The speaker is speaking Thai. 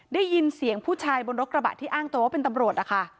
ได้ยินเสียงผู้ชายบนรถกระบะที่อ้างตัวว่าเป็นตำรวจนะคะ